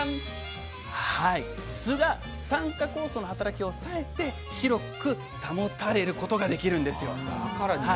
酢が酸化酵素の働きを抑えて白く保たれることができるんですよ。